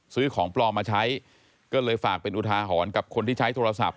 ซื้อของปลอมมาใช้ก็เลยฝากเป็นอุทาหรณ์กับคนที่ใช้โทรศัพท์